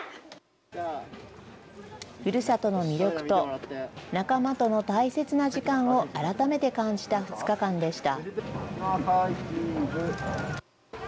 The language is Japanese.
ふるさとの魅力と仲間との大切な時間を改めて感じた２日間でした。